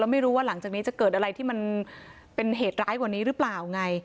ไม่รู้ว่าหลังจากนี้จะเกิดอะไรที่มันเป็นเหตุร้ายกว่านี้หรือเปล่าไง